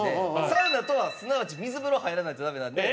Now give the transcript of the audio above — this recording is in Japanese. サウナとはすなわち水風呂入らないとダメなので。